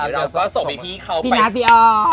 เดี๋ยวเราส่งพี่เขาไปพินัทตีออ